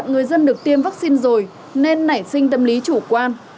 những người dân đã được tiêm vaccine rồi nên nảy sinh tâm lý chủ quan